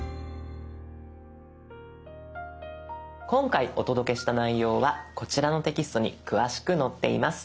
今回お届けした内容はこちらのテキストに詳しく載っています。